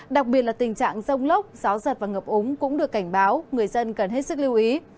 đặc biệt là tình trạng rông lốc gió giật và ngập úng cũng được cảnh báo người dân cần hết sức lưu ý